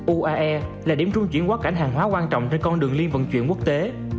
uae là điểm trung chuyển quá cảnh hàng hóa quan trọng trên con đường liên vận chuyển quốc tế